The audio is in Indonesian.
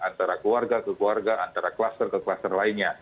antara keluarga ke keluarga antara kluster ke kluster lainnya